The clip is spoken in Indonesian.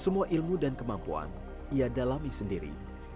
semua ilmu dan kemampuan ia dalami sendiri